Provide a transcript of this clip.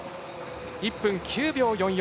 １分９秒４４。